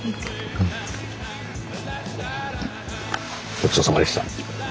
ごちそうさまでした。